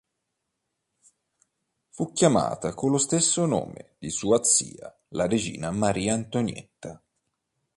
Fu chiamata con lo stesso nome di sua zia, la regina Maria Antonietta.